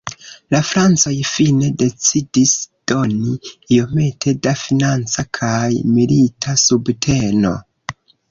La francoj fine decidis doni iomete da financa kaj milita subteno.